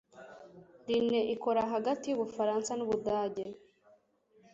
Rhine ikora hagati y'Ubufaransa n'Ubudage